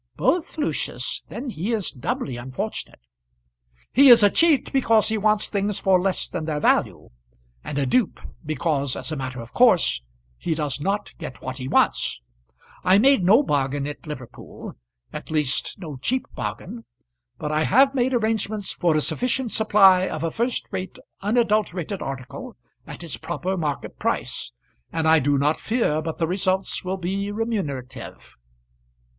"Both, Lucius. Then he is doubly unfortunate." "He is a cheat because he wants things for less than their value; and a dupe because, as a matter of course, he does not get what he wants. I made no bargain at Liverpool, at least, no cheap bargain; but I have made arrangements for a sufficient supply of a first rate unadulterated article at its proper market price, and I do not fear but the results will be remunerative."